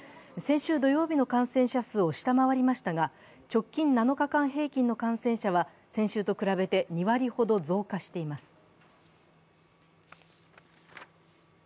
先週土曜日の感染者数を下回りましたが直近７日間平均の感染者は先週と比べて２割ほど増加しています。